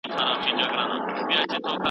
په ستونزو تمرکز مه کوئ.